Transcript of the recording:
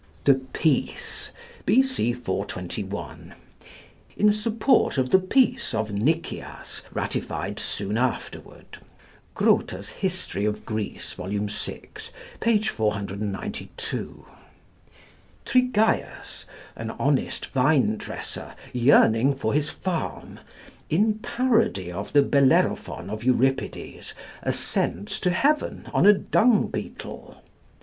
'The Peace,' B.C. 421: in support of the Peace of Nicias, ratified soon afterward (Grote's 'History of Greece,' Vol. vi., page 492). Trygæus, an honest vine dresser yearning for his farm, in parody of the Bellerophon of Euripides, ascends to heaven on a dung beetle.